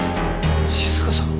静香さん！？